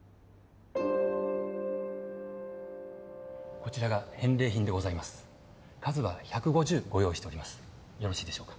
・こちらが返礼品でございます数は１５０ご用意しておりますよろしいでしょうか？